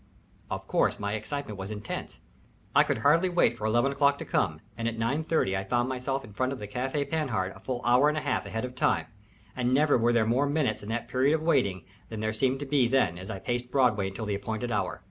Of course my excitement was intense. I could hardly wait for eleven o'clock to come, and at 9.30 I found myself in front of the Café Panhard a full hour and a half ahead of time, and never were there more minutes in that period of waiting than there seemed to be then as I paced Broadway until the appointed hour.